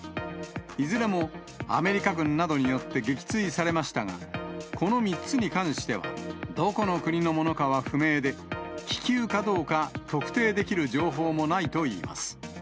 いずれもアメリカ軍などによって撃墜されましたが、この３つに関しては、どこの国のものかは不明で、気球かどうか特定できる情報もないといいます。